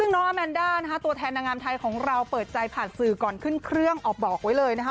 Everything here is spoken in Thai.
ซึ่งน้องอาแมนด้านะคะตัวแทนนางงามไทยของเราเปิดใจผ่านสื่อก่อนขึ้นเครื่องออกบอกไว้เลยนะคะ